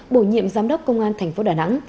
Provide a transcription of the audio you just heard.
bổ nhiệm giám đốc công an thành phố đà nẵng